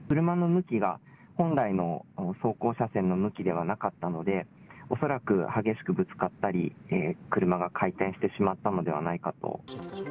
車の向きが本来の走行車線の向きではなかったので、恐らく、激しくぶつかったり、車が回転してしまったのではないかと。